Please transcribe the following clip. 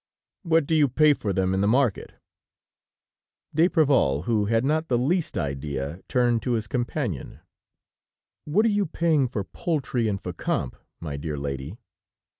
"What do you pay for them in the market?" D'Apreval, who had not the least idea, turned to his companion: "What are you paying for poultry in Fécamp, my dear lady?"